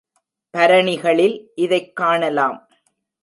பரணிகளில் இதைக் காணலாம்.